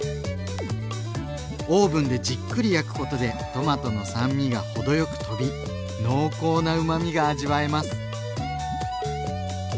オーブンでじっくり焼くことでトマトの酸味が程よくとび濃厚なうまみが味わえます。